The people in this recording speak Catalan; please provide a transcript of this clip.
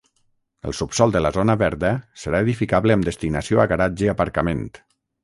El subsòl de la zona verda serà edificable amb destinació a garatge-aparcament.